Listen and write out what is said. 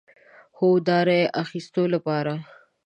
هو، د رای اخیستو لپاره